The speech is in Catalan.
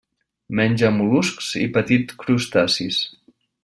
Menja mol·luscs i petits crustacis.